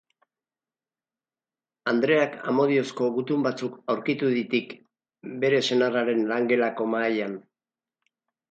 Andreak amodiozko gutun batzuk aurkitu ditik bere senarraren langelako mahaian.